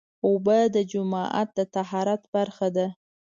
اوبه د جومات د طهارت برخه ده.